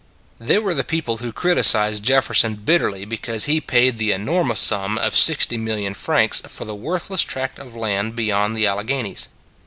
They were the people who criticized Jef ferson bitterly because he paid the enor mous sum of 60,000,000 francs for the worthless tract of land beyond the Alle ghenies.